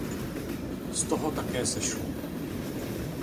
Z toho také sešlo.